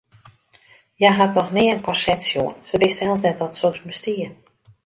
Hja hat noch nea in korset sjoen, se wist sels net dat soks bestie.